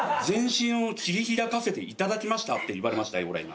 「全身を切り開かせていただきました」と言われました？